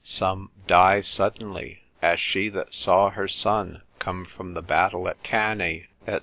Some die suddenly, as she that saw her son come from the battle at Cannae, &c.